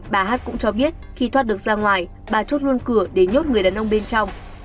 bà hát cũng cho biết khi thoát được ra ngoài bà chốt luôn cửa để nhốt người đàn ông bên trong